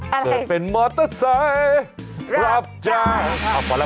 อะไรเกิดเป็นมอเตอร์ไซค์รับจ้างครับ